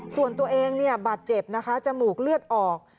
ส่วนตัวเองบาดเจ็บนะคะจมูกเลือดออก